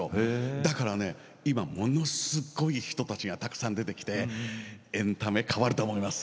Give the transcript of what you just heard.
だから今、ものすごい人たちがたくさん出てきてエンタメ変わると思います。